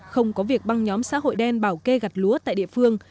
không có việc băng nhóm xã hội đen bảo kê gặt lúa tại địa phương